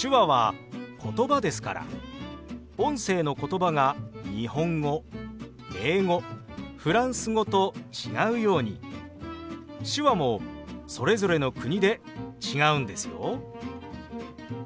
手話は言葉ですから音声の言葉が日本語英語フランス語と違うように手話もそれぞれの国で違うんですよ。